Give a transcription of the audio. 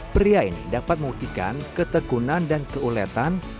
pria ini dapat membuktikan ketekunan dan keuletan